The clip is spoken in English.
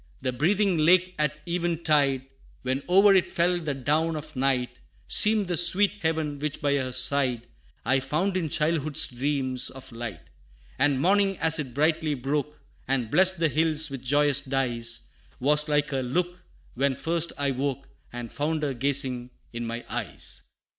The breathing lake at even tide, When o'er it fell the down of night, Seemed the sweet heaven, which by her side, I found in childhood's dreams of light: And morning, as it brightly broke, And blessed the hills with joyous dyes, Was like her look, when first I woke, And found her gazing in my eyes.